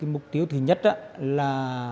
mục tiêu thứ nhất là